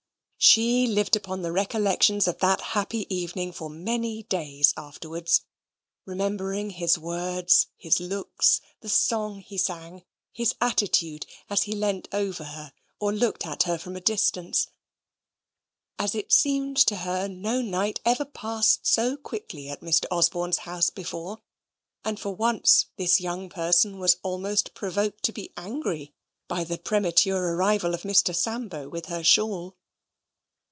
She lived upon the recollections of that happy evening for many days afterwards, remembering his words; his looks; the song he sang; his attitude, as he leant over her or looked at her from a distance. As it seemed to her, no night ever passed so quickly at Mr. Osborne's house before; and for once this young person was almost provoked to be angry by the premature arrival of Mr. Sambo with her shawl.